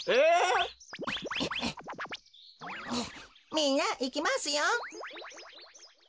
みんないきますよ。